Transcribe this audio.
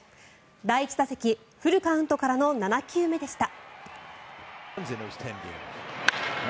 第１打席、フルカウントからの７球目でした。